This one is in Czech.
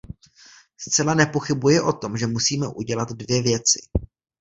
Zcela nepochybuji o tom, že musíme udělat dvě věci.